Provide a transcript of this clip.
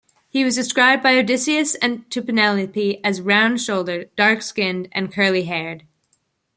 He was described by Odysseus to Penelope as round-shouldered, dark-skinned, and curly-haired.